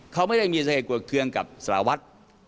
เขาไม่ได้มีสาเหตุกวดเครื่องกับสารวัตร